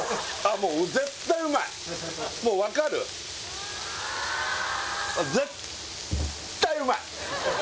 もう絶対うまいもう分かる絶対うまい！